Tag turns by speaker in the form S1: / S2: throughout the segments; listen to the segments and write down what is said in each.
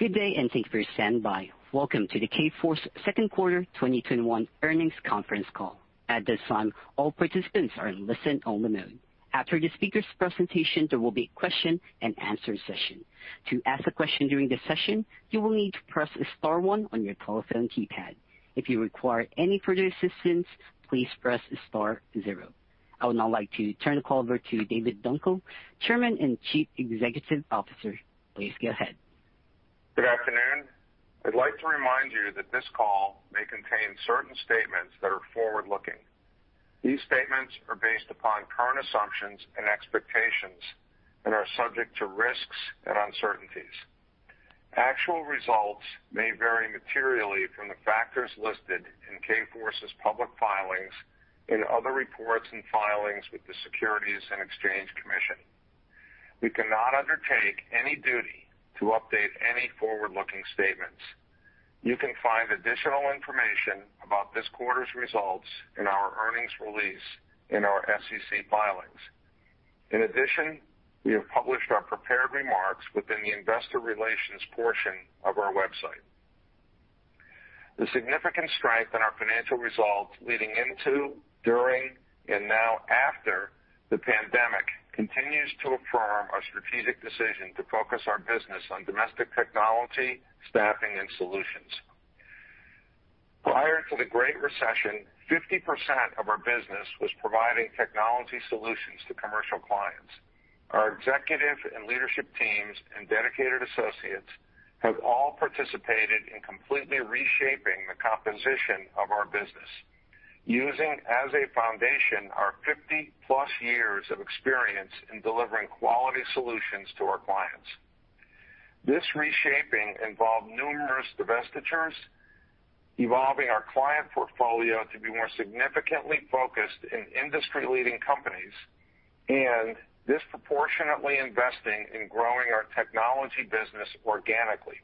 S1: Good day, and thank you for standing by. Welcome to the Kforce second quarter 2021 earnings conference call. I would now like to turn the call over to David Dunkel, Chairman and Chief Executive Officer. Please go ahead.
S2: Good afternoon. I'd like to remind you that this call may contain certain statements that are forward-looking. These statements are based upon current assumptions and expectations and are subject to risks and uncertainties. Actual results may vary materially from the factors listed in Kforce's public filings and other reports and filings with the Securities and Exchange Commission. We cannot undertake any duty to update any forward-looking statements. You can find additional information about this quarter's results in our earnings release in our SEC filings. In addition, we have published our prepared remarks within the investor relations portion of our website. The significant strength in our financial results leading into, during, and now after the pandemic continues to affirm our strategic decision to focus our business on domestic technology, staffing, and solutions. Prior to the Great Recession, 50% of our business was providing technology solutions to commercial clients. Our executive and leadership teams and dedicated associates have all participated in completely reshaping the composition of our business, using as a foundation our 50+ years of experience in delivering quality solutions to our clients. This reshaping involved numerous divestitures, evolving our client portfolio to be more significantly focused in industry-leading companies, and disproportionately investing in growing our technology business organically.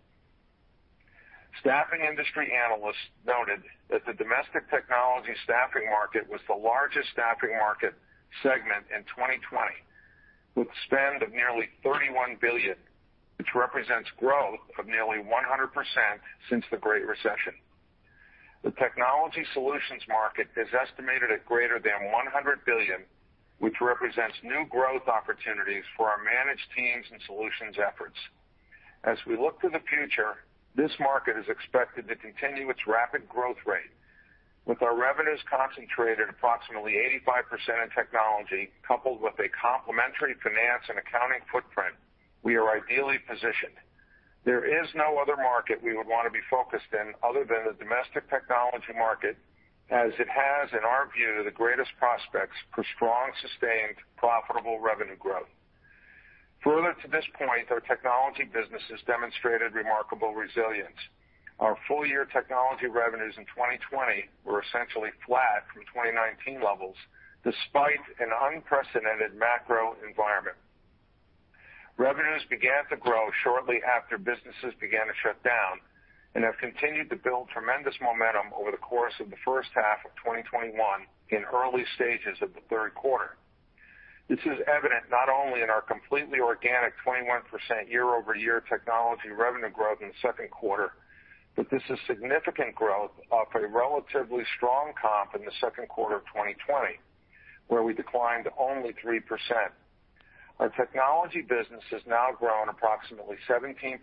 S2: Staffing Industry Analysts noted that the domestic technology staffing market was the largest staffing market segment in 2020, with spend of nearly $31 billion, which represents growth of nearly 100% since the Great Recession. The technology solutions market is estimated at greater than $100 billion, which represents new growth opportunities for our managed teams and solutions efforts. As we look to the future, this market is expected to continue its rapid growth rate. With our revenues concentrated approximately 85% in technology, coupled with a complementary finance and accounting footprint, we are ideally positioned. There is no other market we would want to be focused in other than the domestic technology market, as it has, in our view, the greatest prospects for strong, sustained, profitable revenue growth. Further to this point, our technology business has demonstrated remarkable resilience. Our full-year technology revenues in 2020 were essentially flat from 2019 levels, despite an unprecedented macro environment. Revenues began to grow shortly after businesses began to shut down and have continued to build tremendous momentum over the course of the first half of 2021 in early stages of the third quarter. This is evident not only in our completely organic 21% year-over-year technology revenue growth in the second quarter, but this is significant growth off a relatively strong comp in the second quarter of 2020, where we declined only 3%. Our technology business has now grown approximately 17%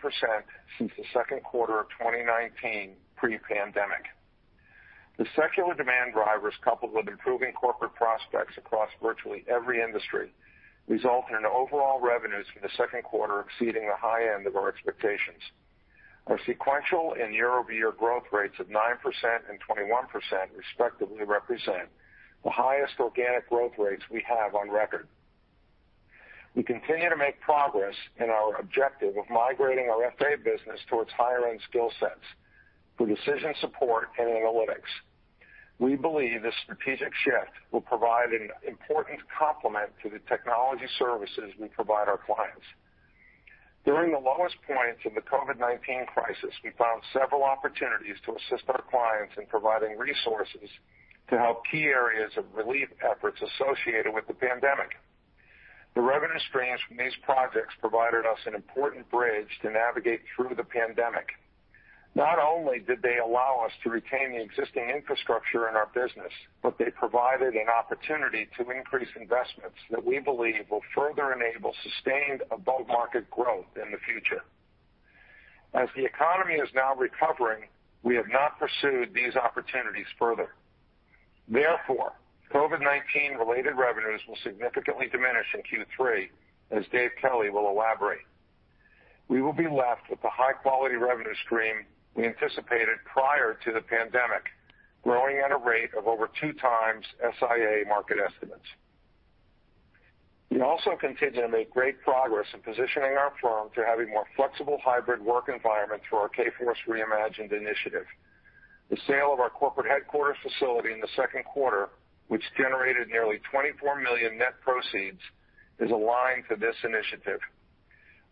S2: since the second quarter of 2019, pre-pandemic. The secular demand drivers, coupled with improving corporate prospects across virtually every industry, resulted in overall revenues for the second quarter exceeding the high end of our expectations. Our sequential and year-over-year growth rates of 9% and 21% respectively represent the highest organic growth rates we have on record. We continue to make progress in our objective of migrating our FA business towards higher-end skill sets for decision support and analytics. We believe this strategic shift will provide an important complement to the technology services we provide our clients. During the lowest points of the COVID-19 crisis, we found several opportunities to assist our clients in providing resources to help key areas of relief efforts associated with the pandemic. The revenue streams from these projects provided us an important bridge to navigate through the pandemic. Not only did they allow us to retain the existing infrastructure in our business, but they provided an opportunity to increase investments that we believe will further enable sustained above-market growth in the future. As the economy is now recovering, we have not pursued these opportunities further. Therefore, COVID-19 related revenues will significantly diminish in Q3, as Dave Kelly will elaborate. We will be left with the high-quality revenue stream we anticipated prior to the pandemic, growing at a rate of over two times SIA market estimates. We also continue to make great progress in positioning our firm to have a more flexible hybrid work environment through our Kforce Reimagined initiative. The sale of our corporate headquarters facility in the second quarter, which generated nearly $24 million net proceeds, is aligned to this initiative.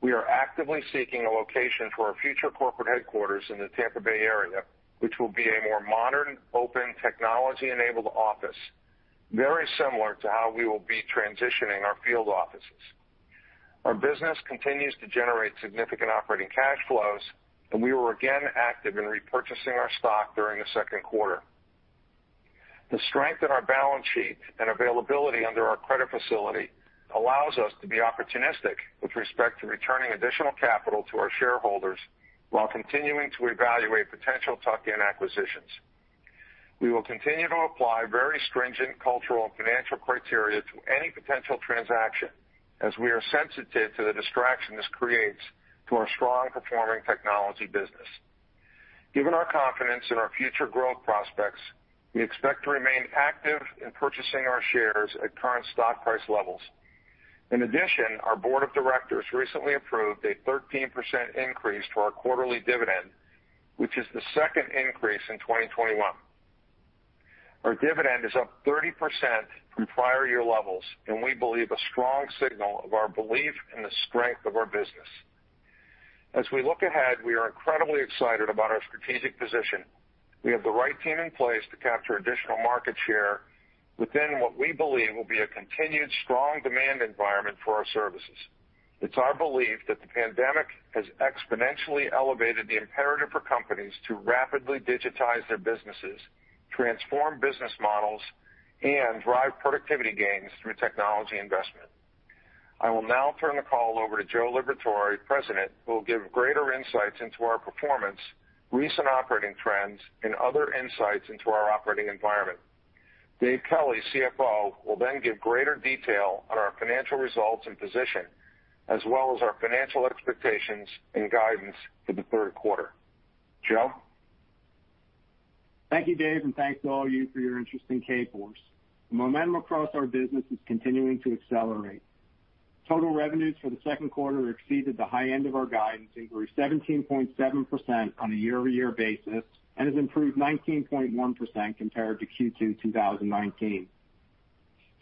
S2: We are actively seeking a location for our future corporate headquarters in the Tampa Bay area, which will be a more modern, open, technology-enabled office. Very similar to how we will be transitioning our field offices. Our business continues to generate significant operating cash flows, and we were again active in repurchasing our stock during the second quarter. The strength in our balance sheet and availability under our credit facility allows us to be opportunistic with respect to returning additional capital to our shareholders, while continuing to evaluate potential tuck-in acquisitions. We will continue to apply very stringent cultural and financial criteria to any potential transaction, as we are sensitive to the distraction this creates to our strong-performing technology business. Given our confidence in our future growth prospects, we expect to remain active in purchasing our shares at current stock price levels. In addition, our board of directors recently approved a 13% increase to our quarterly dividend, which is the second increase in 2021. Our dividend is up 30% from prior year levels, and we believe a strong signal of our belief in the strength of our business. As we look ahead, we are incredibly excited about our strategic position. We have the right team in place to capture additional market share within what we believe will be a continued strong demand environment for our services. It's our belief that the pandemic has exponentially elevated the imperative for companies to rapidly digitize their businesses, transform business models, and drive productivity gains through technology investment. I will now turn the call over to Joe Liberatore, President, who will give greater insights into our performance, recent operating trends, and other insights into our operating environment. Dave Kelly, CFO, will then give greater detail on our financial results and position, as well as our financial expectations and guidance for the third quarter. Joe?
S3: Thank you, Dave, and thanks to all you for your interest in Kforce. The momentum across our business is continuing to accelerate. Total revenues for the second quarter exceeded the high end of our guidance and grew 17.7% on a year-over-year basis and has improved 19.1% compared to Q2 2019.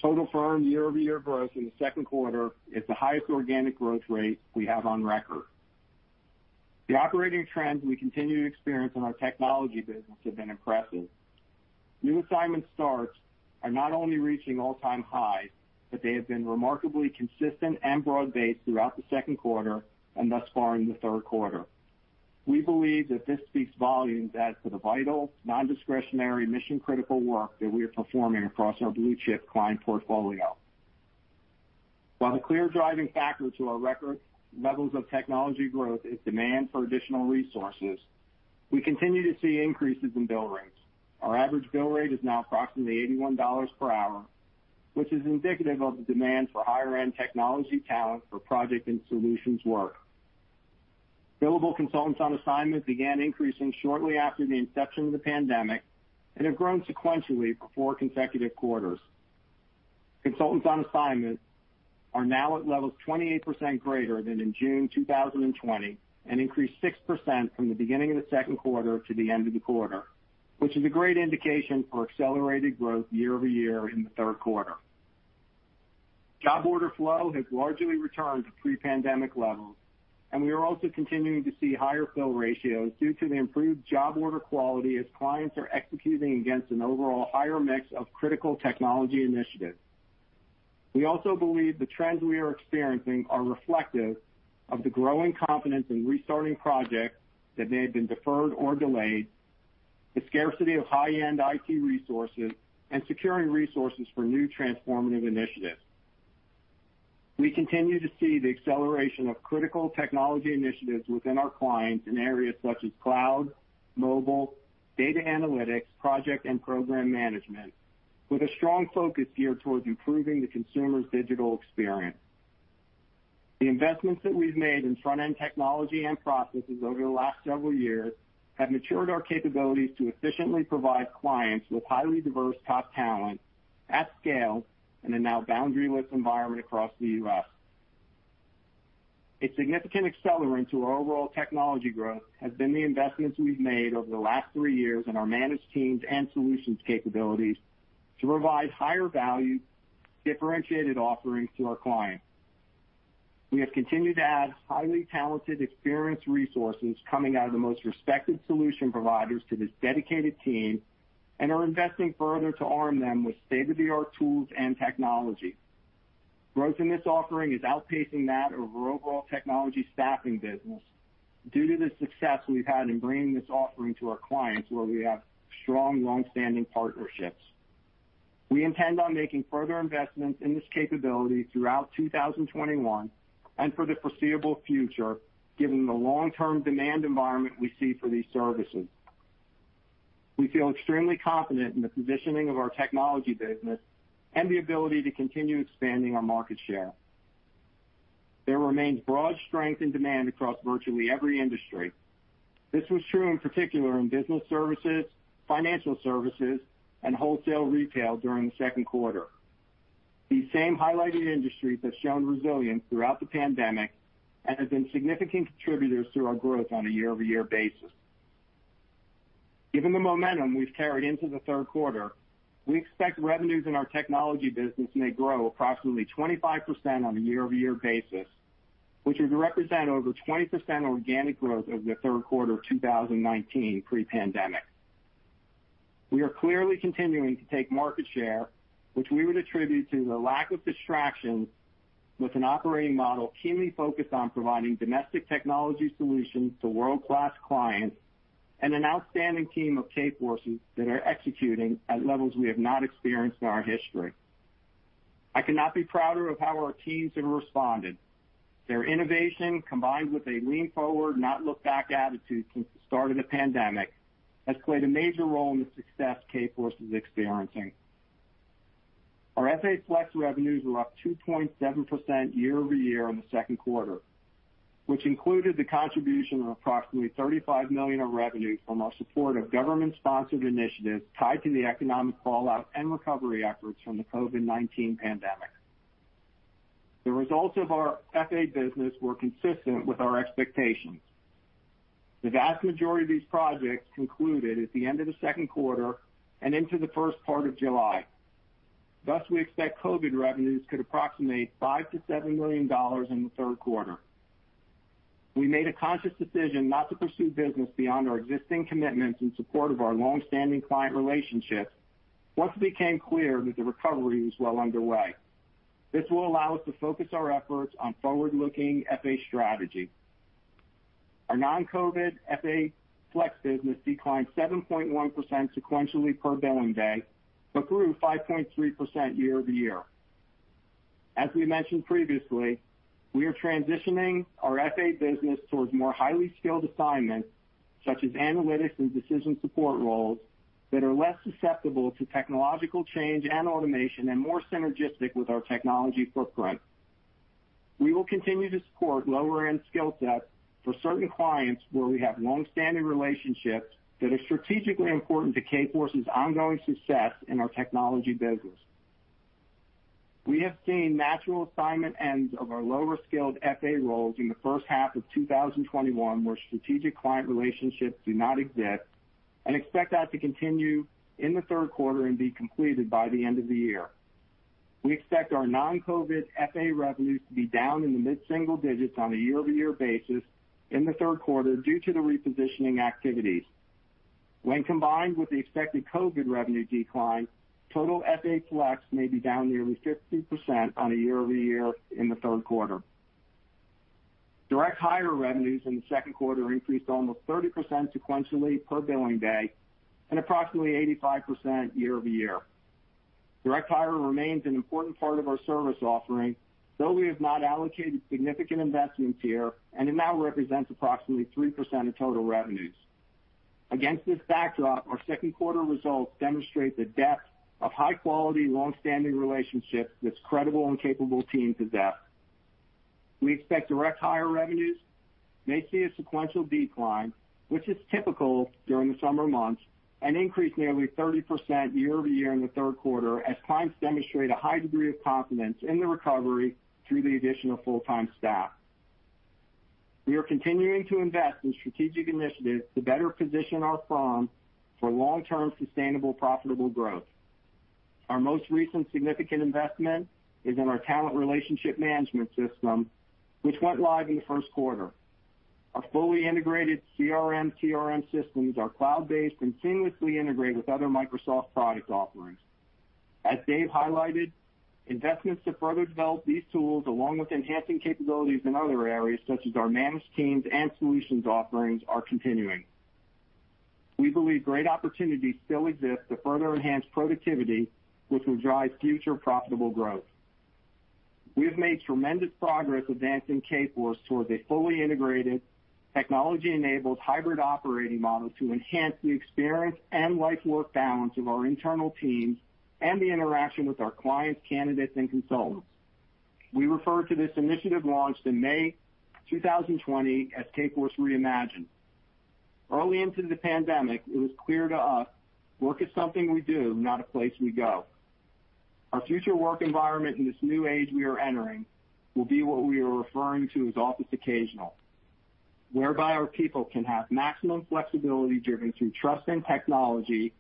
S3: Total firm year-over-year growth in the second quarter is the highest organic growth rate we have on record. The operating trends we continue to experience in our technology business have been impressive. New assignment starts are not only reaching all-time highs, but they have been remarkably consistent and broad-based throughout the second quarter and thus far in the third quarter. We believe that this speaks volumes as to the vital, non-discretionary, mission-critical work that we are performing across our blue-chip client portfolio. While the clear driving factor to our record levels of technology growth is demand for additional resources, we continue to see increases in bill rates. Our average bill rate is now approximately $81 per hour, which is indicative of the demand for higher-end technology talent for project and solutions work. Billable consultants on assignment began increasing shortly after the inception of the pandemic and have grown sequentially for four consecutive quarters. Consultants on assignment are now at levels 28% greater than in June 2020 and increased 6% from the beginning of the second quarter to the end of the quarter, which is a great indication for accelerated growth year-over-year in the third quarter. Job order flow has largely returned to pre-pandemic levels, and we are also continuing to see higher fill ratios due to the improved job order quality as clients are executing against an overall higher mix of critical technology initiatives. We also believe the trends we are experiencing are reflective of the growing confidence in restarting projects that may have been deferred or delayed, the scarcity of high-end IT resources, and securing resources for new transformative initiatives. We continue to see the acceleration of critical technology initiatives within our clients in areas such as cloud, mobile, data analytics, project and program management, with a strong focus geared towards improving the consumer's digital experience. The investments that we've made in front-end technology and processes over the last several years have matured our capabilities to efficiently provide clients with highly diverse top talent at scale in a now boundaryless environment across the U.S. A significant accelerant to our overall technology growth has been the investments we've made over the last three years in our managed teams and solutions capabilities to provide higher value, differentiated offerings to our clients. We have continued to add highly talented, experienced resources coming out of the most respected solution providers to this dedicated team and are investing further to arm them with state-of-the-art tools and technology. Growth in this offering is outpacing that of our overall technology staffing business due to the success we've had in bringing this offering to our clients where we have strong, longstanding partnerships. We intend on making further investments in this capability throughout 2021 and for the foreseeable future, given the long-term demand environment we see for these services. We feel extremely confident in the positioning of our technology business and the ability to continue expanding our market share. There remains broad strength in demand across virtually every industry. This was true in particular in business services, financial services, and wholesale retail during the second quarter. These same highlighted industries have shown resilience throughout the pandemic and have been significant contributors to our growth on a year-over-year basis. Given the momentum we've carried into the third quarter, we expect revenues in our technology business may grow approximately 25% on a year-over-year basis, which would represent over 20% organic growth over the third quarter of 2019 pre-pandemic. We are clearly continuing to take market share, which we would attribute to the lack of distractions with an operating model keenly focused on providing domestic technology solutions to world-class clients and an outstanding team of Kforcers that are executing at levels we have not experienced in our history. I cannot be prouder of how our teams have responded. Their innovation, combined with a lean forward, not look back attitude since the start of the pandemic, has played a major role in the success Kforce is experiencing. Our FA Flex revenues were up 2.7% year-over-year in the second quarter, which included the contribution of approximately $35 million of revenue from our support of government-sponsored initiatives tied to the economic fallout and recovery efforts from the COVID-19 pandemic. The results of our FA business were consistent with our expectations. The vast majority of these projects concluded at the end of the second quarter and into the first part of July. We expect COVID revenues could approximate $5 million-$7 million in the third quarter. We made a conscious decision not to pursue business beyond our existing commitments in support of our long-standing client relationships, once it became clear that the recovery was well underway. This will allow us to focus our efforts on forward-looking FA strategy. Our non-COVID FA Flex business declined 7.1% sequentially per billing day, but grew 5.3% year-over-year. As we mentioned previously, we are transitioning our FA business towards more highly skilled assignments, such as analytics and decision support roles that are less susceptible to technological change and automation and more synergistic with our technology footprint. We will continue to support lower-end skill sets for certain clients where we have long-standing relationships that are strategically important to Kforce's ongoing success in our technology business. We have seen natural assignment ends of our lower-skilled FA roles in the first half of 2021, where strategic client relationships do not exist and expect that to continue in the third quarter and be completed by the end of the year. We expect our non-COVID FA revenues to be down in the mid-single digits on a year-over-year basis in the third quarter due to the repositioning activities. When combined with the expected COVID revenue decline, total FA Flex may be down nearly 15% on a year-over-year in the third quarter. Direct hire revenues in the second quarter increased almost 30% sequentially per billing day and approximately 85% year-over-year. direct hire remains an important part of our service offering, though we have not allocated significant investments here, and it now represents approximately 3% of total revenues. Against this backdrop, our second quarter results demonstrate the depth of high-quality, long-standing relationships this credible and capable team possess. We expect direct hire revenues may see a sequential decline, which is typical during the summer months, and increase nearly 30% year-over-year in the third quarter as clients demonstrate a high degree of confidence in the recovery through the addition of full-time staff. We are continuing to invest in strategic initiatives to better position our firm for long-term, sustainable, profitable growth. Our most recent significant investment is in our talent relationship management system, which went live in the first quarter. Our fully integrated CRM, TRM systems are cloud-based and seamlessly integrated with other Microsoft product offerings. As Dave highlighted, investments to further develop these tools, along with enhancing capabilities in other areas such as our managed teams and solutions offerings, are continuing. We believe great opportunities still exist to further enhance productivity, which will drive future profitable growth. We have made tremendous progress advancing Kforce towards a fully integrated, technology-enabled hybrid operating model to enhance the experience and life-work balance of our internal teams and the interaction with our clients, candidates, and consultants. We refer to this initiative launched in May 2020 as Kforce Reimagined. Early into the pandemic, it was clear to us, work is something we do, not a place we go. Our future work environment in this new age we are entering will be what we are referring to as office occasional. Whereby our people can have maximum flexibility driven through trust and technology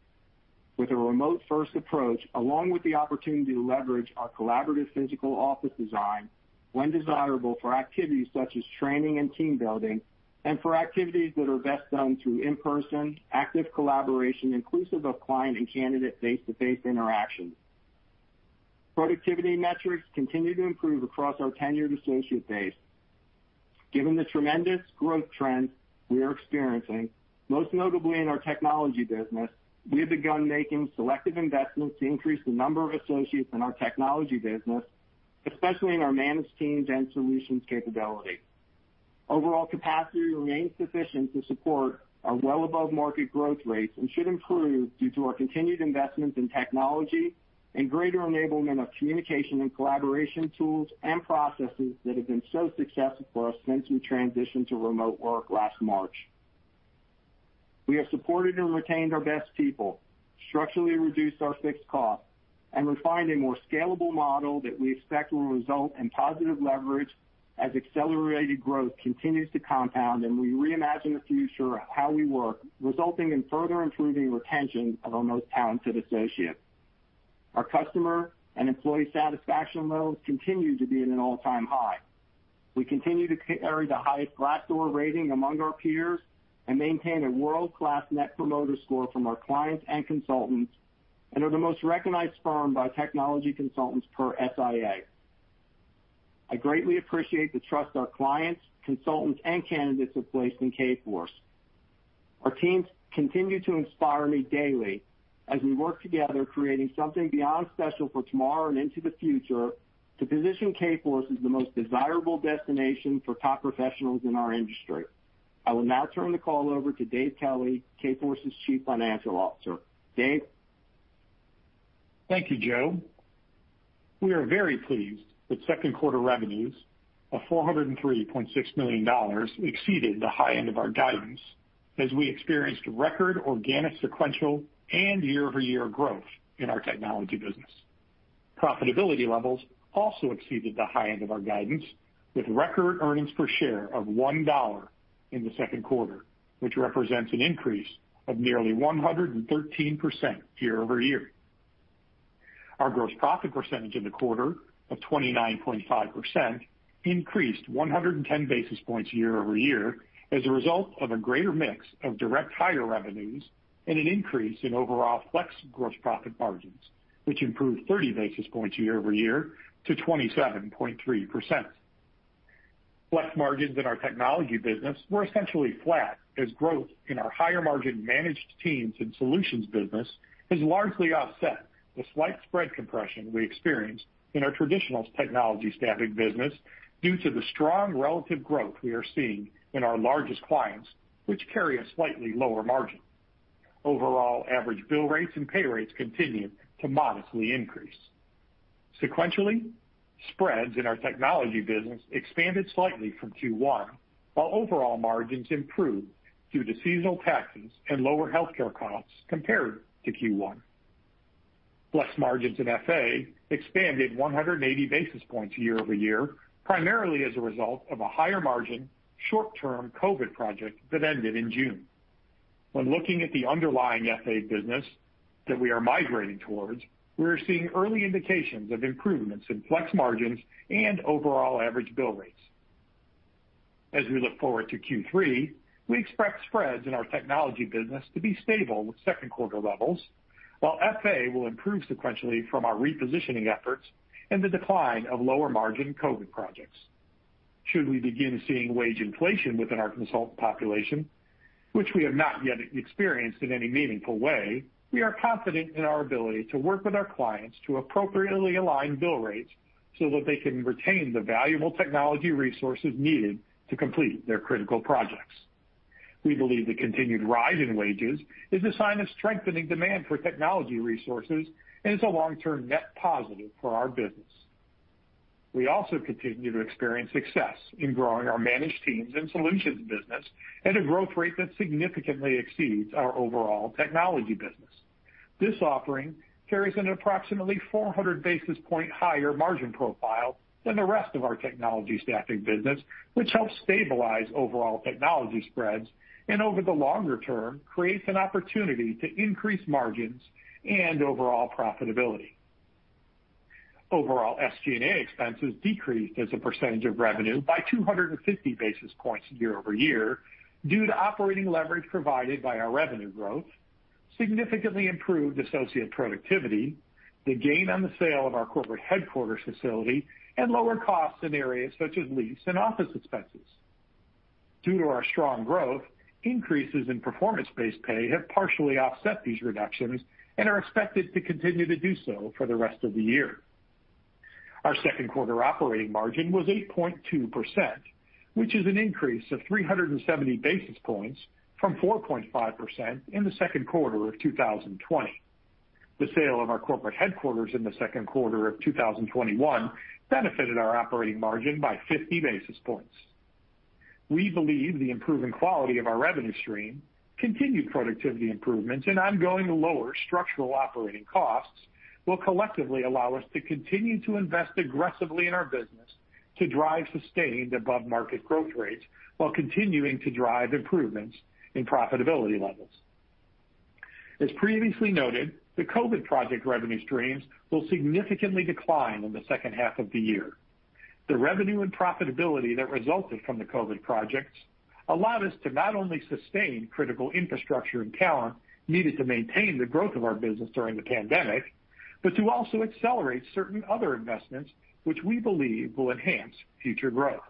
S3: with a remote first approach, along with the opportunity to leverage our collaborative physical office design when desirable for activities such as training and team building, and for activities that are best done through in-person active collaboration, inclusive of client and candidate face-to-face interactions. Productivity metrics continue to improve across our tenured associate base. Given the tremendous growth trends we are experiencing, most notably in our technology business, we have begun making selective investments to increase the number of associates in our technology business, especially in our managed teams and solutions capability. Overall capacity remains sufficient to support our well above market growth rates and should improve due to our continued investments in technology and greater enablement of communication and collaboration tools and processes that have been so successful for us since we transitioned to remote work last March. We have supported and retained our best people, structurally reduced our fixed cost, and refined a more scalable model that we expect will result in positive leverage as accelerated growth continues to compound and we reimagine the future of how we work, resulting in further improving retention of our most talented associates. Our customer and employee satisfaction levels continue to be at an all-time high. We continue to carry the highest Glassdoor rating among our peers and maintain a world-class Net Promoter Score from our clients and consultants, and are the most recognized firm by technology consultants per SIA. I greatly appreciate the trust our clients, consultants, and candidates have placed in Kforce. Our teams continue to inspire me daily as we work together creating something beyond special for tomorrow and into the future to position Kforce as the most desirable destination for top professionals in our industry. I will now turn the call over to Dave Kelly, Kforce's Chief Financial Officer. David?
S4: Thank you, Joe. We are very pleased that second quarter revenues of $403.6 million exceeded the high end of our guidance, as we experienced record organic sequential and year-over-year growth in our technology business. Profitability levels also exceeded the high end of our guidance, with record earnings per share of $1 in the second quarter, which represents an increase of nearly 113% year-over-year. Our gross profit percentage in the quarter of 29.5% increased 110 basis points year-over-year as a result of a greater mix of direct hire revenues and an increase in overall Flex gross profit margins, which improved 30 basis points year-over-year to 27.3%. Flex margins in our technology business were essentially flat, as growth in our higher-margin managed teams and solutions business has largely offset the slight spread compression we experienced in our traditional technology staffing business due to the strong relative growth we are seeing in our largest clients, which carry a slightly lower margin. Overall average bill rates and pay rates continued to modestly increase. Sequentially, spreads in our technology business expanded slightly from Q1, while overall margins improved due to seasonal taxes and lower healthcare costs compared to Q1. Flex margins in FA expanded 180 basis points year-over-year, primarily as a result of a higher margin, short-term COVID project that ended in June. When looking at the underlying FA business that we are migrating towards, we are seeing early indications of improvements in flex margins and overall average bill rates. As we look forward to Q3, we expect spreads in our technology business to be stable with second quarter levels, while FA will improve sequentially from our repositioning efforts and the decline of lower-margin COVID projects. Should we begin seeing wage inflation within our consultant population, which we have not yet experienced in any meaningful way, we are confident in our ability to work with our clients to appropriately align bill rates so that they can retain the valuable technology resources needed to complete their critical projects. We believe the continued rise in wages is a sign of strengthening demand for technology resources, and is a long-term net positive for our business. We also continue to experience success in growing our managed teams and solutions business at a growth rate that significantly exceeds our overall technology business. This offering carries an approximately 400 basis point higher margin profile than the rest of our technology staffing business, which helps stabilize overall technology spreads, and over the longer term, creates an opportunity to increase margins and overall profitability. Overall, SG&A expenses decreased as a percentage of revenue by 250 basis points year-over-year due to operating leverage provided by our revenue growth, significantly improved associate productivity, the gain on the sale of our corporate headquarters facility, and lower costs in areas such as lease and office expenses. Due to our strong growth, increases in performance-based pay have partially offset these reductions and are expected to continue to do so for the rest of the year. Our second quarter operating margin was 8.2%, which is an increase of 370 basis points from 4.5% in the second quarter of 2020. The sale of our corporate headquarters in the second quarter of 2021 benefited our operating margin by 50 basis points. We believe the improving quality of our revenue stream, continued productivity improvements, and ongoing lower structural operating costs will collectively allow us to continue to invest aggressively in our business to drive sustained above-market growth rates while continuing to drive improvements in profitability levels. As previously noted, the COVID project revenue streams will significantly decline in the second half of the year. The revenue and profitability that resulted from the COVID projects allowed us to not only sustain critical infrastructure and talent needed to maintain the growth of our business during the pandemic, but to also accelerate certain other investments which we believe will enhance future growth.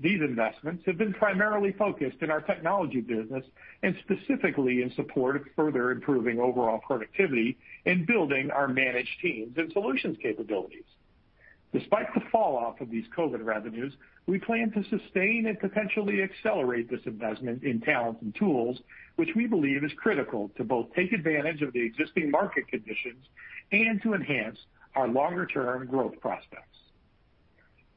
S4: These investments have been primarily focused in our technology business and specifically in support of further improving overall productivity and building our managed teams and solutions capabilities. Despite the fallout of these COVID revenues, we plan to sustain and potentially accelerate this investment in talent and tools, which we believe is critical to both take advantage of the existing market conditions and to enhance our longer-term growth prospects.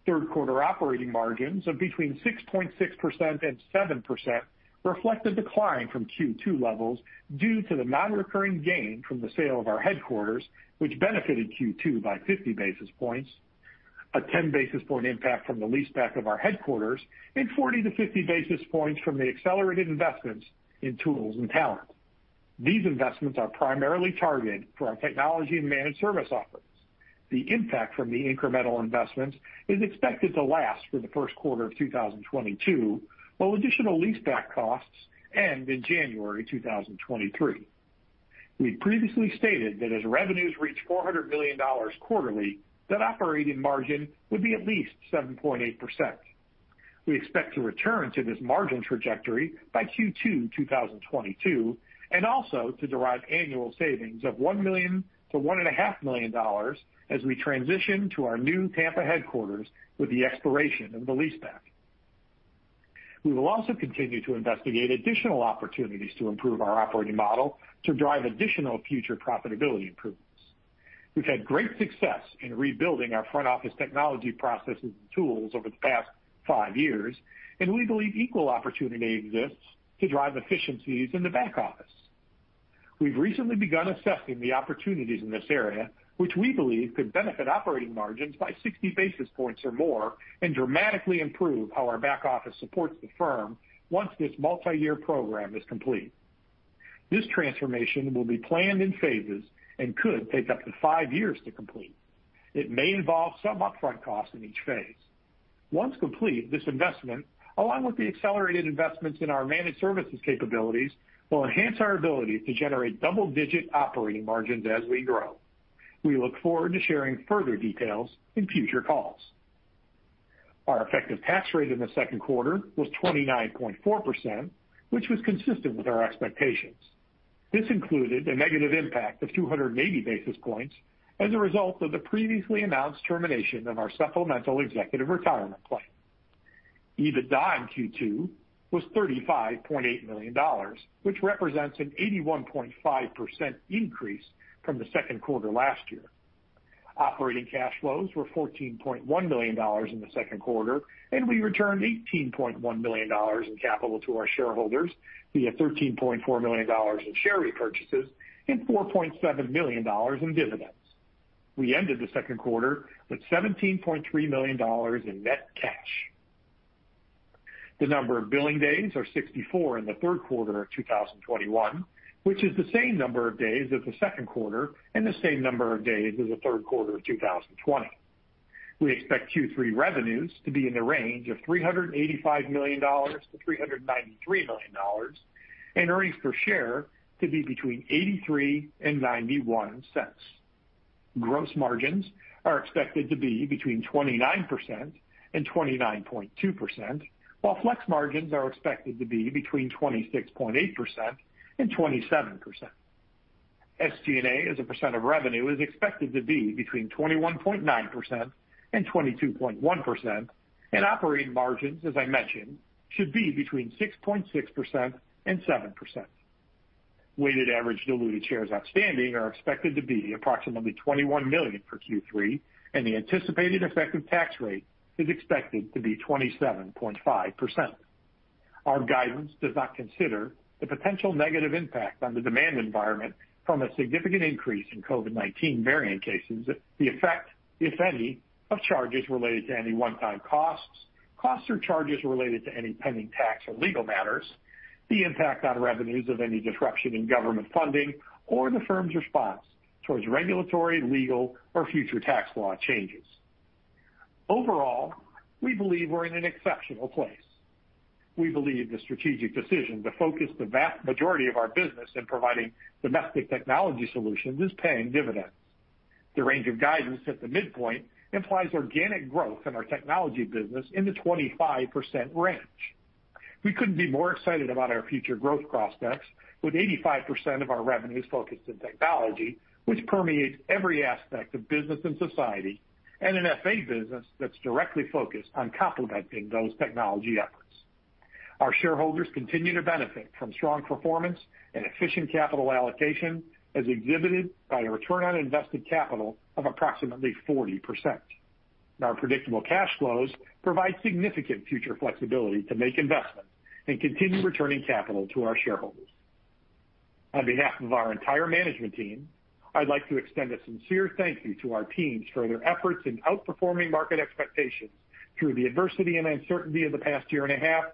S4: Third quarter operating margins of between 6.6% and 7% reflect a decline from Q2 levels due to the non-recurring gain from the sale of our headquarters, which benefited Q2 by 50 basis points. A 10 basis point impact from the leaseback of our headquarters and 40 basis points-50 basis points from the accelerated investments in tools and talent. These investments are primarily targeted for our technology and managed service offerings. The impact from the incremental investments is expected to last through the first quarter of 2022, while additional leaseback costs end in January 2023. We previously stated that as revenues reach $400 million quarterly, that operating margin would be at least 7.8%. We expect to return to this margin trajectory by Q2 2022, and also to derive annual savings of $1 million-$1.5 million as we transition to our new Tampa headquarters with the expiration of the leaseback. We will also continue to investigate additional opportunities to improve our operating model to drive additional future profitability improvements. We've had great success in rebuilding our front office technology processes and tools over the past five years, and we believe equal opportunity exists to drive efficiencies in the back office. We've recently begun assessing the opportunities in this area, which we believe could benefit operating margins by 60 basis points or more and dramatically improve how our back office supports the firm once this multi-year program is complete. This transformation will be planned in phases and could take up to five years to complete. It may involve some upfront costs in each phase. Once complete, this investment, along with the accelerated investments in our managed services capabilities, will enhance our ability to generate double-digit operating margins as we grow. We look forward to sharing further details in future calls. Our effective tax rate in the second quarter was 29.4%, which was consistent with our expectations. This included a negative impact of 280 basis points as a result of the previously announced termination of our supplemental executive retirement plan. EBITDA in Q2 was $35.8 million, which represents an 81.5% increase from the second quarter last year. Operating cash flows were $14.1 million in the second quarter. We returned $18.1 million in capital to our shareholders via $13.4 million in share repurchases and $4.7 million in dividends. We ended the second quarter with $17.3 million in net cash. The number of billing days are 64 in the third quarter of 2021, which is the same number of days as the second quarter and the same number of days as the third quarter of 2020. We expect Q3 revenues to be in the range of $385 million-$393 million, and earnings per share to be between $0.83 and $0.91. Gross margins are expected to be between 29% and 29.2%, while flex margins are expected to be between 26.8% and 27%. SG&A as a percent of revenue is expected to be between 21.9% and 22.1%, and operating margins, as I mentioned, should be between 6.6% and 7%. Weighted average diluted shares outstanding are expected to be approximately 21 million for Q3, and the anticipated effective tax rate is expected to be 27.5%. Our guidance does not consider the potential negative impact on the demand environment from a significant increase in COVID-19 variant cases, the effect, if any, of charges related to any one-time costs or charges related to any pending tax or legal matters, the impact on revenues of any disruption in government funding, or the firm's response towards regulatory, legal, or future tax law changes. Overall, we believe we're in an exceptional place. We believe the strategic decision to focus the vast majority of our business in providing domestic technology solutions is paying dividends. The range of guidance at the midpoint implies organic growth in our technology business in the 25% range. We couldn't be more excited about our future growth prospects with 85% of our revenues focused in technology, which permeates every aspect of business and society, and an FA business that's directly focused on complementing those technology efforts. Our shareholders continue to benefit from strong performance and efficient capital allocation, as exhibited by a return on invested capital of approximately 40%. Our predictable cash flows provide significant future flexibility to make investments and continue returning capital to our shareholders. On behalf of our entire management team, I'd like to extend a sincere thank you to our teams for their efforts in outperforming market expectations through the adversity and uncertainty of the past year and a half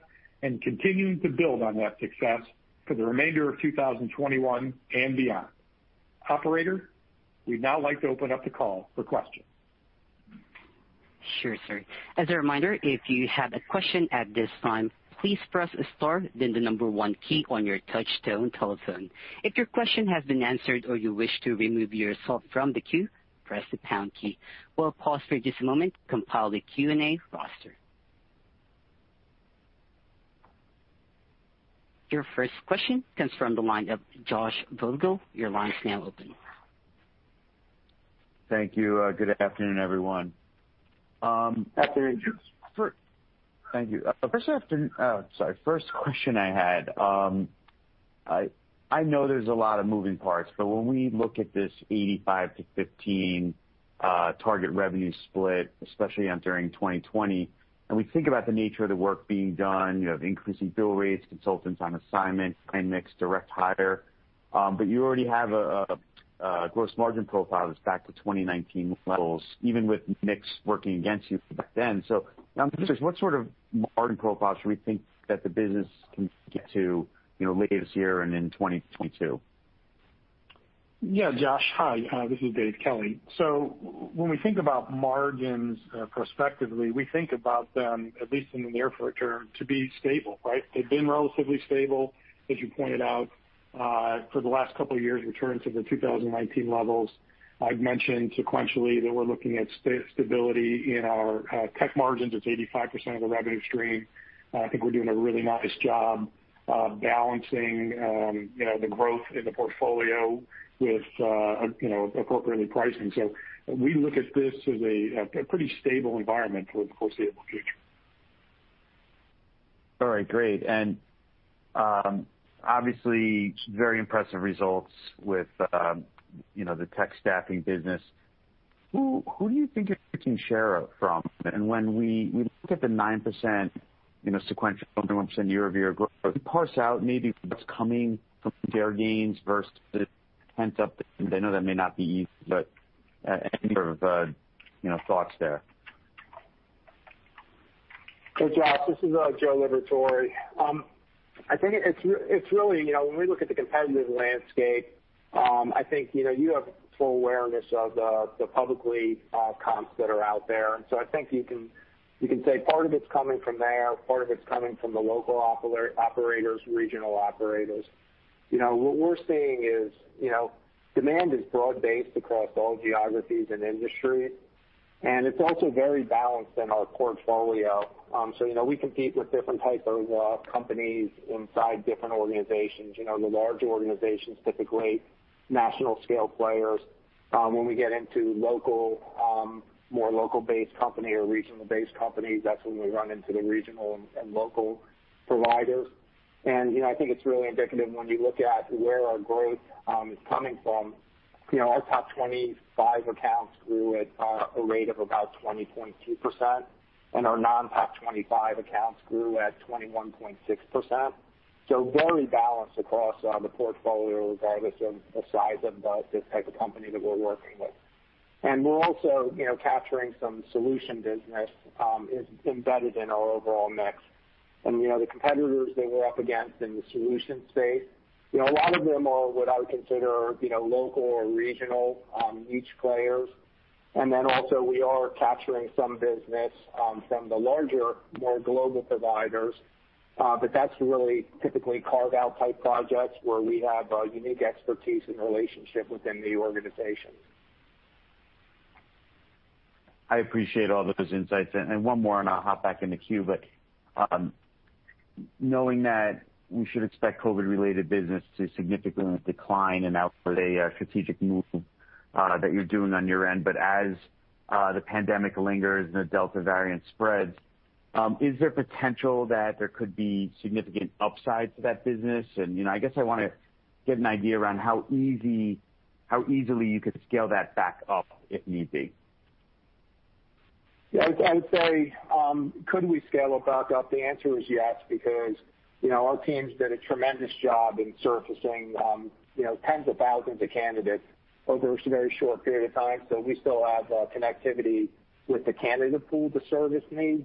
S4: and continuing to build on that success for the remainder of 2021 and beyond. Operator, we'd now like to open up the call for questions.
S1: Sure, sir. As a reminder, if you have a question at this time, please press star then the number one key on your touch-tone telephone. If your question has been answered or you wish to remove yourself from the queue, press the pound key. We'll pause for just a moment to compile the Q&A roster. Your first question comes from the line of Josh Vogel. Your line is now open.
S5: Thank you. Good afternoon, everyone.
S2: Afternoon.
S5: Thank you. First question I had. I know there's a lot of moving parts, but when we look at this 85/15 target revenue split, especially entering 2020, and we think about the nature of the work being done, the increasing bill rates, consultants on assignment, client mix, direct hire, but you already have a gross margin profile that's back to 2019 levels, even with mix working against you back then. I'm curious, what sort of margin profile should we think that the business can get to later this year and in 2022?
S4: Yeah, Josh, hi. This is Dave Kelly. When we think about margins prospectively, we think about them, at least in the near term, to be stable, right? They've been relatively stable, as you pointed out, for the last couple of years, return to the 2019 levels. I've mentioned sequentially that we're looking at stability in our tech margins. It's 85% of the revenue stream. I think we're doing a really nice job balancing the growth in the portfolio with appropriately pricing. We look at this as a pretty stable environment for the foreseeable future.
S5: All right, great. Obviously, very impressive results with the tech staffing business. Who do you think you're taking share from? When we look at the 9% sequential, 1% year-over-year growth, can you parse out maybe what's coming from their gains versus Kforce's? I know that may not be easy, but any sort of thoughts there?
S3: Hey, Josh, this is Joe Liberatore. I think when we look at the competitive landscape, I think you have full awareness of the publicly comps that are out there. I think you can say part of it's coming from there, part of it's coming from the local operators, regional operators. What we're seeing is demand is broad-based across all geographies and industry, and it's also very balanced in our portfolio. We compete with different types of companies inside different organizations. The larger organizations, typically national scale players. When we get into more local-based company or regional-based companies, that's when we run into the regional and local providers. I think it's really indicative when you look at where our growth is coming from. Our top 25 accounts grew at a rate of about 20.2%, and our non-top 25 accounts grew at 21.6%. Very balanced across the portfolio, regardless of the size of the type of company that we're working with. We're also capturing some solution business embedded in our overall mix. The competitors that we're up against in the solution space, a lot of them are what I would consider local or regional niche players. We are capturing some business from the larger, more global providers. That's really typically carve-out type projects where we have a unique expertise and relationship within the organization.
S5: I appreciate all those insights. One more, I'll hop back in the queue. Knowing that we should expect COVID-related business to significantly decline and output a strategic move that you're doing on your end, but as the pandemic lingers and the Delta variant spreads, is there potential that there could be significant upside to that business? I guess I want to get an idea around how easily you could scale that back up if need be.
S3: Yeah, I'd say, could we scale it back up? The answer is yes, because our teams did a tremendous job in surfacing tens of thousands of candidates over a very short period of time. We still have connectivity with the candidate pool to service needs.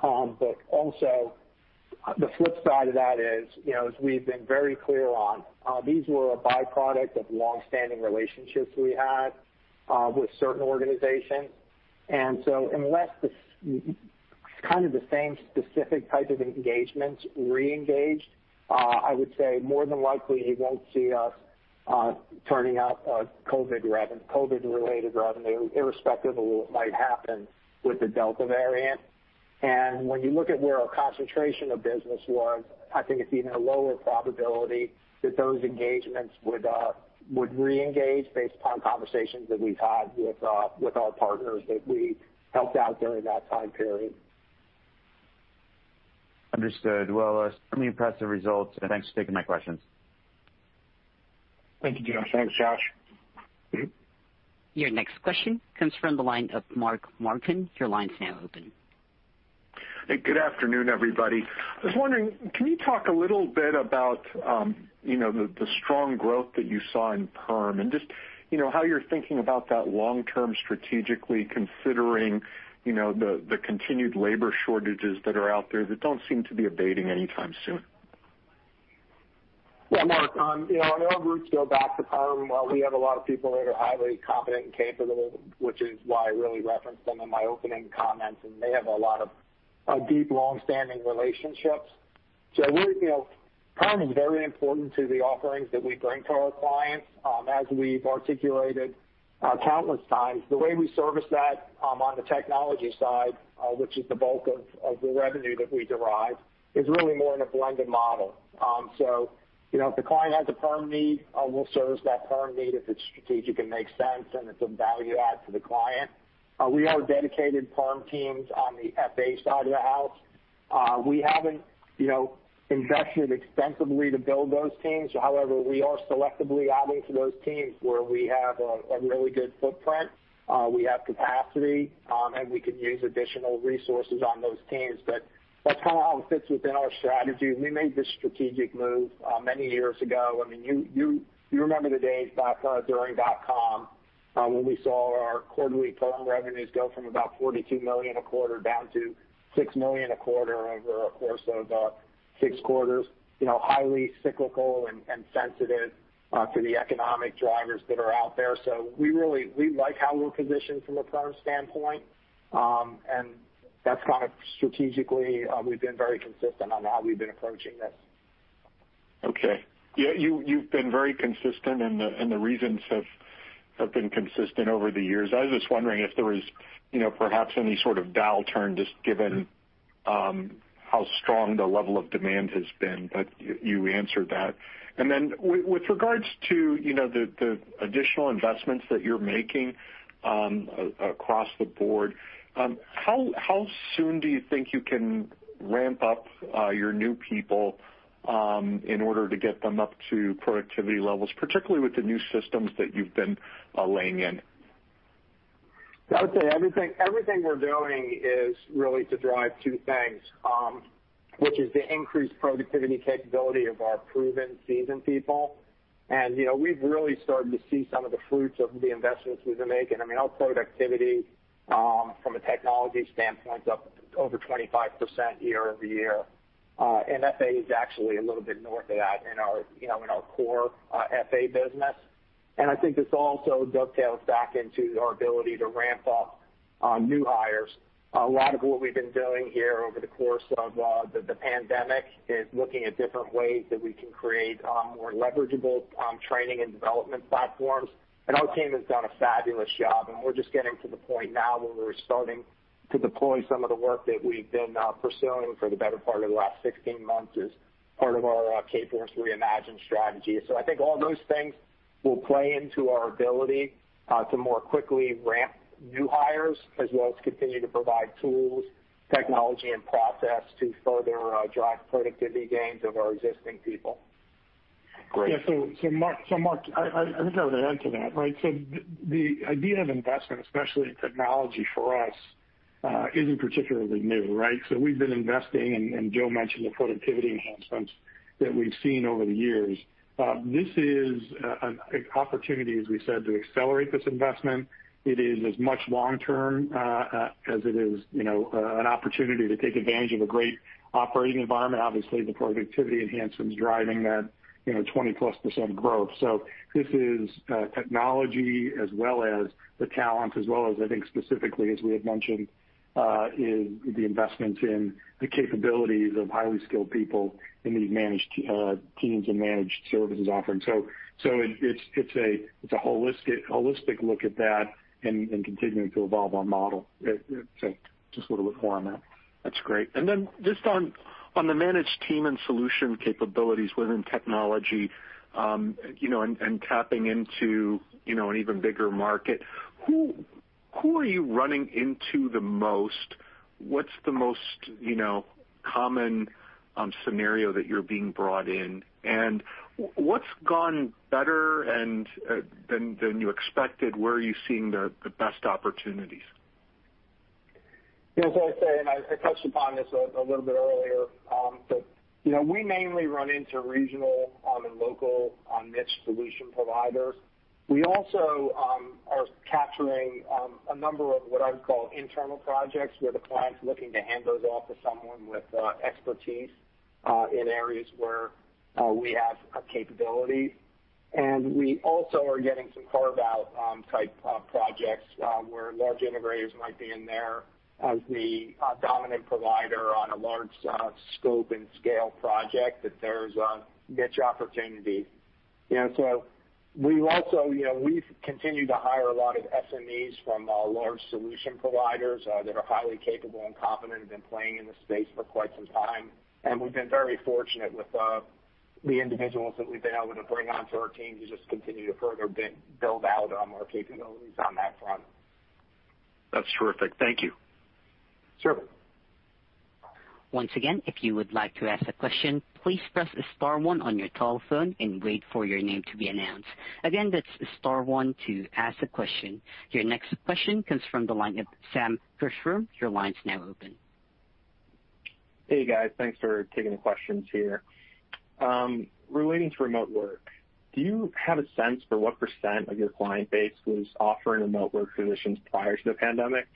S3: Also, the flip side of that is, as we've been very clear on, these were a byproduct of longstanding relationships we had with certain organizations. Unless this kind of the same specific type of engagements re-engaged, I would say more than likely, you won't see us turning up COVID-related revenue, irrespective of what might happen with the Delta variant. When you look at where our concentration of business was, I think it's even a lower probability that those engagements would re-engage based upon conversations that we've had with our partners that we helped out during that time period.
S5: Understood. Well, extremely impressive results. Thanks for taking my questions.
S4: Thank you, Josh.
S3: Thanks, Josh. [Dave?]
S1: Your next question comes from the line of Mark Marcon. Your line's now open.
S6: Hey, good afternoon, everybody. I was wondering, can you talk a little bit about the strong growth that you saw in perm and just how you're thinking about that long-term strategically, considering the continued labor shortages that are out there that don't seem to be abating anytime soon?
S3: Mark, our roots go back to perm. We have a lot of people that are highly competent and capable, which is why I really referenced them in my opening comments, and they have a lot of deep, long-standing relationships. Perm is very important to the offerings that we bring to our clients. As we've articulated countless times, the way we service that on the technology side, which is the bulk of the revenue that we derive, is really more in a blended model. If the client has a perm need, we'll service that perm need if it's strategic and makes sense and it's a value add to the client. We have dedicated perm teams on the FA side of the house. We haven't invested extensively to build those teams. However, we are selectively adding to those teams where we have a really good footprint, we have capacity, and we can use additional resources on those teams. That's how it fits within our strategy. We made this strategic move many years ago. You remember the days back during dot-com, when we saw our quarterly perm revenues go from about $42 million a quarter down to $6 million a quarter over a course of six quarters. Highly cyclical and sensitive to the economic drivers that are out there. We like how we're positioned from a perm standpoint. That's kind of strategically, we've been very consistent on how we've been approaching this.
S6: Okay. Yeah, you've been very consistent, and the reasons have been consistent over the years. I was just wondering if there was perhaps any sort of dial turn, just given how strong the level of demand has been. You answered that. With regards to the additional investments that you're making across the board, how soon do you think you can ramp up your new people in order to get them up to productivity levels, particularly with the new systems that you've been laying in?
S3: I would say everything we're doing is really to drive two things, which is the increased productivity capability of our proven, seasoned people. We've really started to see some of the fruits of the investments we've been making. Our productivity, from a technology standpoint, is up over 25% year-over-year. FA is actually a little bit north of that in our core FA business. I think this also dovetails back into our ability to ramp up new hires. A lot of what we've been doing here over the course of the pandemic is looking at different ways that we can create more leverageable training and development platforms. Our team has done a fabulous job, and we're just getting to the point now where we're starting to deploy some of the work that we've been pursuing for the better part of the last 16 months as part of our Kforce Reimagined strategy. I think all those things will play into our ability to more quickly ramp new hires, as well as continue to provide tools, technology, and process to further drive productivity gains of our existing people.
S6: Great.
S4: Mark, I think I would add to that, right? The idea of investment, especially in technology for us, isn't particularly new, right? We've been investing, and Joe mentioned the productivity enhancements that we've seen over the years. This is an opportunity, as we said, to accelerate this investment. It is as much long-term, as it is an opportunity to take advantage of a great operating environment. Obviously, the productivity enhancements driving that 20%+ growth. This is technology as well as the talent, as well as I think specifically, as we had mentioned, is the investment in the capabilities of highly skilled people in these managed teams and solutions. It's a holistic look at that and continuing to evolve our model. Just a little bit more on that.
S6: That's great. Then just on the managed teams and solutions capabilities within technology, tapping into an even bigger market, who are you running into the most? What's the most common scenario that you're being brought in? What's gone better than you expected? Where are you seeing the best opportunities?
S3: Yeah. As I was saying, I touched upon this a little bit earlier. We mainly run into regional and local niche solution providers. We also are capturing a number of what I would call internal projects, where the client's looking to hand those off to someone with expertise in areas where we have a capability. We also are getting some carve-out type projects, where large integrators might be in there as the dominant provider on a large scope and scale project, that there's a niche opportunity. We've continued to hire a lot of SMEs from large solution providers that are highly capable and competent and been playing in the space for quite some time. We've been very fortunate with the individuals that we've been able to bring onto our team to just continue to further build out on our capabilities on that front.
S6: That's terrific. Thank you.
S3: Sure.
S1: Once again, if you would like to ask a question, please press star one on your telephone and wait for your name to be announced. Again, that's star one to ask a question. Your next question comes from the line of Sam Kusswurm. Your line's now open.
S7: Hey, guys. Thanks for taking the questions here. Relating to remote work, do you have a sense for what percent of your client base was offering remote work positions prior to the pandemic?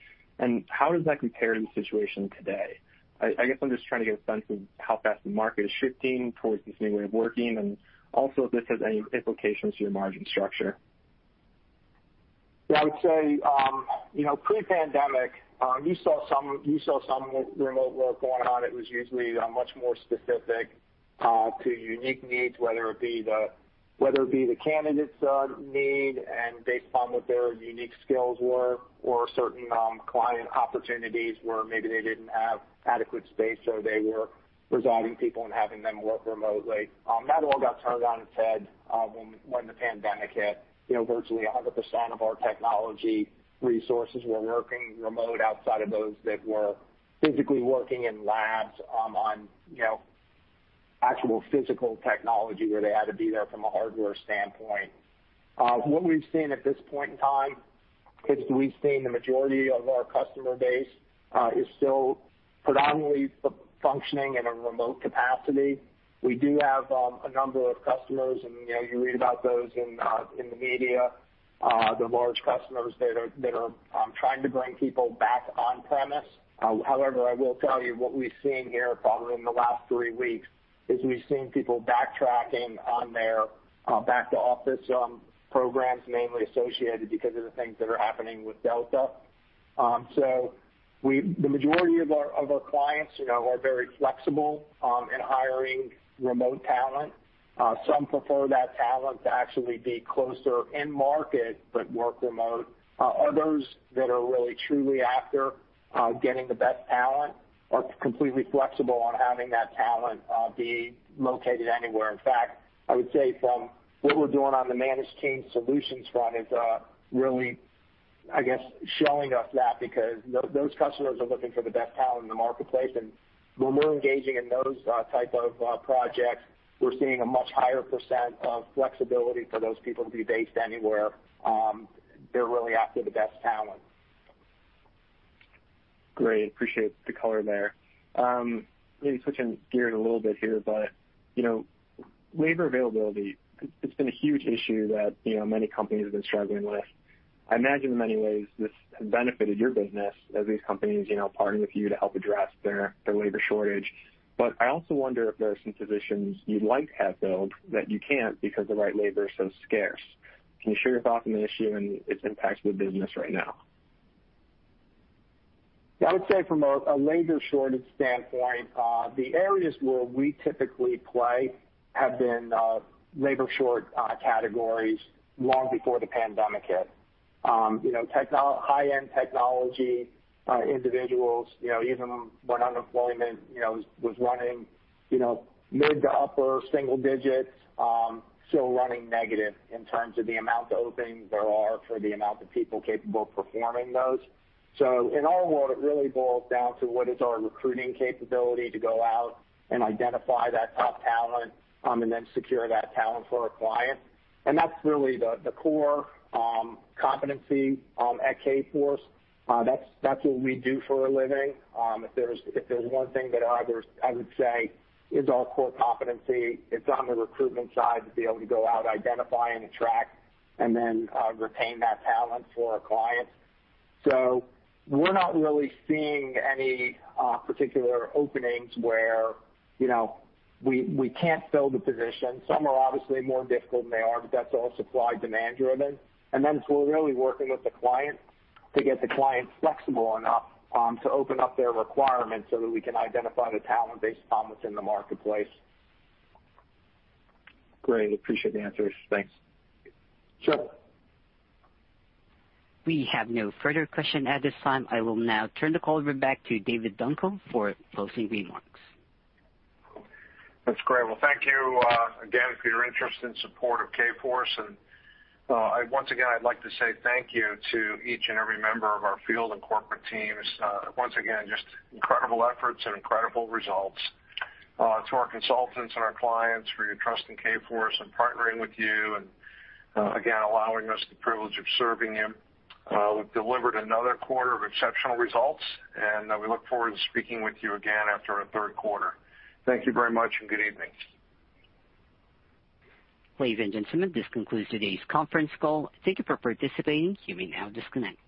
S7: How does that compare to the situation today? I guess I'm just trying to get a sense of how fast the market is shifting towards this new way of working, and also if this has any implications to your margin structure.
S3: I would say, pre-pandemic, you saw some remote work going on. It was usually much more specific to unique needs, whether it be the candidate's need and based upon what their unique skills were, or certain client opportunities where maybe they didn't have adequate space, so they were residing people and having them work remotely. That all got turned on its head when the pandemic hit. Virtually 100% of our technology resources were working remote outside of those that were physically working in labs on actual physical technology where they had to be there from a hardware standpoint. What we've seen at this point in time is we've seen the majority of our customer base is still predominantly functioning in a remote capacity. We do have a number of customers, and you read about those in the media, the large customers that are trying to bring people back on premise. I will tell you what we've seen here probably in the last three weeks, is we've seen people backtracking on their back to office programs, mainly associated because of the things that are happening with Delta. The majority of our clients are very flexible in hiring remote talent. Some prefer that talent to actually be closer in market but work remote. Others that are really truly after getting the best talent are completely flexible on having that talent be located anywhere. In fact, I would say from what we're doing on the managed team solutions front is really, I guess, showing us that because those customers are looking for the best talent in the marketplace. When we're engaging in those type of projects, we're seeing a much higher percent of flexibility for those people to be based anywhere. They're really after the best talent.
S7: Great. Appreciate the color there. Maybe switching gears a little bit here, labor availability, it's been a huge issue that many companies have been struggling with. I imagine in many ways this has benefited your business as these companies partner with you to help address their labor shortage. I also wonder if there are some positions you'd like to have filled that you can't because the right labor is so scarce. Can you share your thoughts on the issue and its impact to the business right now?
S3: I would say from a labor shortage standpoint, the areas where we typically play have been labor short categories long before the pandemic hit. High-end technology individuals, even when unemployment was running mid to upper single digits, still running negative in terms of the amount of openings there are for the amount of people capable of performing those. In all of what it really boils down to what is our recruiting capability to go out and identify that top talent, and then secure that talent for a client. That's really the core competency at Kforce. That's what we do for a living. If there's one thing that I would say is our core competency, it's on the recruitment side to be able to go out, identify, and attract, and then retain that talent for a client. We're not really seeing any particular openings where we can't fill the position. Some are obviously more difficult than they are, but that's all supply and demand driven. We're really working with the client to get the client flexible enough to open up their requirements so that we can identify the talent based on what's in the marketplace.
S7: Great. Appreciate the answers. Thanks.
S3: Sure.
S1: We have no further question at this time. I will now turn the call over back to David Dunkel for closing remarks.
S2: That's great. Well, thank you again for your interest and support of Kforce. Once again, I'd like to say thank you to each and every member of our field and corporate teams. Once again, just incredible efforts and incredible results. To our consultants and our clients for your trust in Kforce and partnering with you, and again, allowing us the privilege of serving you. We've delivered another quarter of exceptional results, and we look forward to speaking with you again after our third quarter. Thank you very much, and good evening.
S1: Ladies and gentlemen, this concludes today's conference call. Thank you for participating. You may now disconnect.